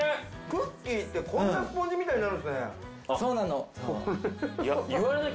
クッキーって、こんなにスポンジみたいになるんですね。